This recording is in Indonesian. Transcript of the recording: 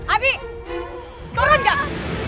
abi turun gak